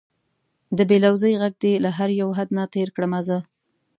د بې لوظۍ غږ دې له هر یو حد نه تېر کړمه زه